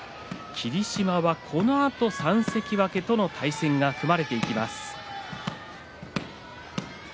霧島はこのあと３関脇との対戦が組まれていきます。